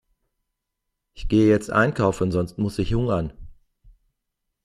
Ich gehe jetzt einkaufen, sonst muss ich hungern.